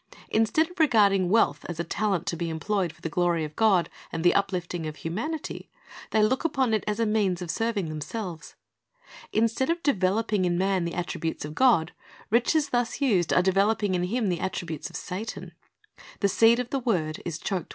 Instead of regarding wealth as a talent to be employed for the glory of God and the uplifting of humanity, they look upon it as a means of serving themselves. Instead of developing in man the attributes of God, riches thus used are developing in him the attributes of Satan. The seed of the word is choked with thorns.